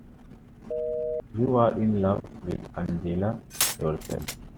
You're in love with Angela yourself.